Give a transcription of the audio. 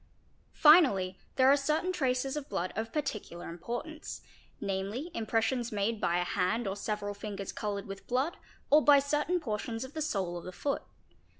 Finally there are certain traces of blood of particular importance, namely impressions made by a hand or several fingers coloured with blood or by certain portions of the sole of the foot.